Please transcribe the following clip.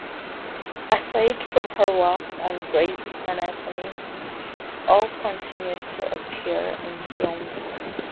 Aside from her work on "Grey's Anatomy", Oh continued to appear in films.